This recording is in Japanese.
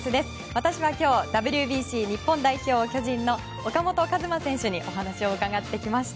私は今日、ＷＢＣ日本代表巨人の岡本和真選手にお話を伺ってきました。